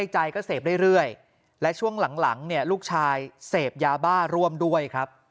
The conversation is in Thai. ใจก็เสพเรื่อยและช่วงหลังเนี่ยลูกชายเสพยาบ้าร่วมด้วยครับ